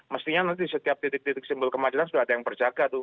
mestinya nanti setiap titik titik simbol kemandiran sudah ada yang berjaga tuh